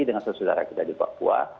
dengan sosialisasi di papua